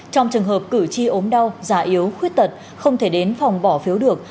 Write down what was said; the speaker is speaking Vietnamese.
trong trường hợp cử tri ốm đau già yếu khuyết tật không thể đến phòng bỏ phiếu được